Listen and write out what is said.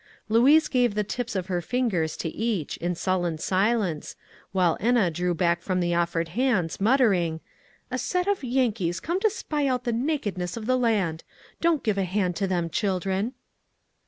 Louise gave the tips of her fingers to each, in sullen silence, while Enna drew back from the offered hands, muttering, "A set of Yankees come to spy out the nakedness of the land; don't give a hand to them, children."